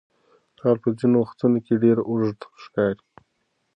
کال په ځینو وختونو کې ډېر اوږد ښکاري.